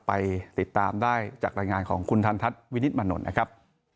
ไปติดตามได้จากรายงานของคุณทันทัศน์วินิตมนลนะครับ